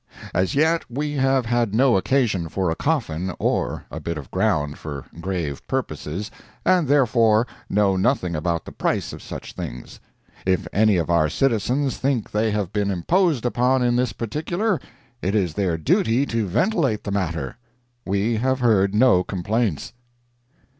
As yet we have had no occasion for a coffin or a bit of ground for grave purposes, and therefore know nothing about the price of such things. If any of our citizens think they have been imposed upon in this particular, it is their duty to ventilate the matter. We have heard no complaints."